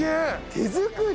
手作り！？